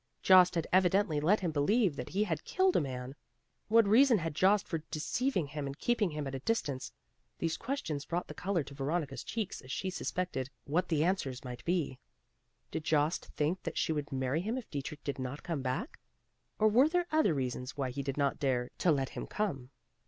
Jost had evidently let him believe that he had killed a man. What reason had Jost for deceiving him and keeping him at a distance? These questions brought the color to Veronica's cheeks as she suspected what the answers might be. Did Jost think that she would marry him if Dietrich did not come back? or were there other reasons why he did not dare to let him come?